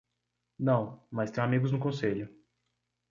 Não, mas tenho amigos no conselho.